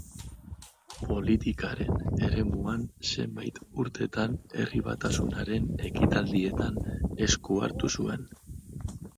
Politikaren eremuan zenbait urtetan Herri Batasunaren ekitaldietan esku hartu zuen.